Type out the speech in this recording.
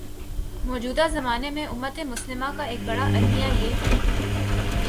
موجودہ زمانے میں امتِ مسلمہ کا ایک بڑا المیہ یہ ہے